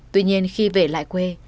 tuy nhiên khi về lại quê